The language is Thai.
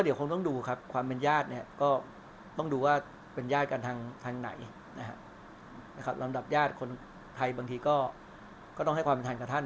เดี๋ยวคงต้องดูครับความเป็นญาติเนี่ยก็ต้องดูว่าเป็นญาติกันทางไหนนะครับลำดับญาติคนไทยบางทีก็ต้องให้ความเป็นธรรมกับท่าน